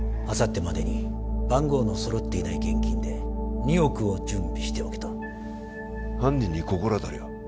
あさってまでに番号の揃っていない現金で２億を準備しておけと犯人に心当たりは？